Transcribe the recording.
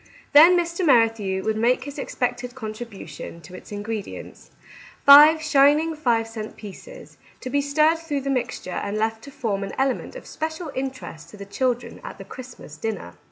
Then Mr. Merrithew would make his expected contribu tion to its ingredients, — five shining five cent pieces, to be stirred through the mixture and left to form an element of special interest to the children at the Christmas dinner.